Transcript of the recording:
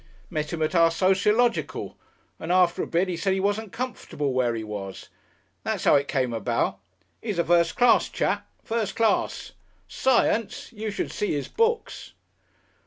Met him at our Sociological, and after a bit he said he wasn't comfortable where he was. That's how it came about. He's a first class chap first class. Science! You should see his books!